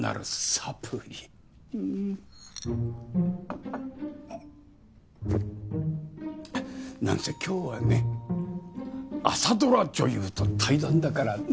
ゴクッ何せ今日はね朝ドラ女優と対談だからね。